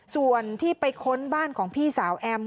ส่วนที่ไปค้นบ้านของพี่สาวแอม